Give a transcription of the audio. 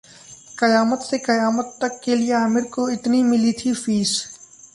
'कयामत से कयामत तक' के लिए आमिर को इतनी मिली थी फीस